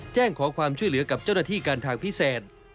แจ้งขอความช่วยเหลือกับเจ้าหน้าที่การทางพิเศษ